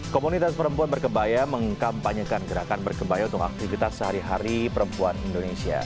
komunitas perempuan berkebaya mengkampanyekan gerakan berkebaya untuk aktivitas sehari hari perempuan indonesia